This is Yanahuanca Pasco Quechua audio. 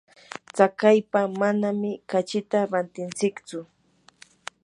tsakaypa manami kachita rantintsichu.